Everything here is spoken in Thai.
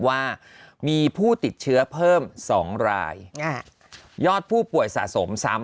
ว่ามีผู้ติดเชื้อเพิ่ม๒รายยอดผู้ป่วยสะสมซ้ำ